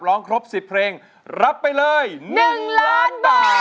ร้องครบ๑๐เพลงรับไปเลย๑ล้านบาท